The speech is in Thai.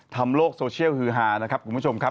โลกโซเชียลฮือฮานะครับคุณผู้ชมครับ